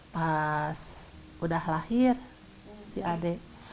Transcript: pas udah lahir si adik